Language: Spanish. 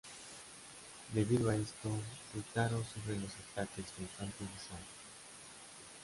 Debido a esto, Keitaro sufre los ataques constantes de Sarah.